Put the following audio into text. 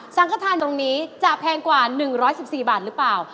สังขทานตรงนี้จะแพงกว่า๑๑๔บาทหรือเปล่า